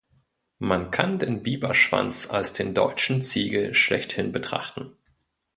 Man kann den Biberschwanz als den deutschen Ziegel schlechthin betrachten.